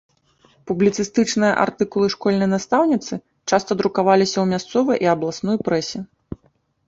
Публіцыстычныя артыкулы школьнай настаўніцы часта друкаваліся ў мясцовай і абласной прэсе.